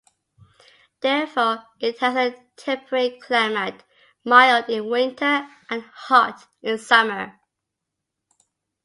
Therefore, it has a temperate climate, mild in winter and hot in summer.